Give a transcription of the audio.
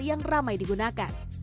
yang ramai digunakan